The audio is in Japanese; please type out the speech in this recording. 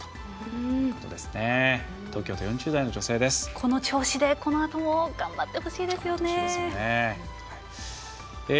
この調子でこのあとも頑張ってほしいですよね。